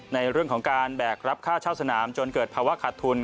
ในเรื่องของการแบกรับค่าเช่าสนามจนเกิดภาวะขาดทุน